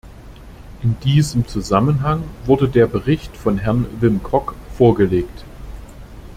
In diesem Zusammenhang wurde der Bericht von Herrn Wim Kok vorgelegt.